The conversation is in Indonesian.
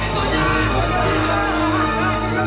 iban emang berani banget iban